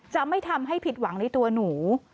จะไม่ทำให้ผิดหวังในตัวหนู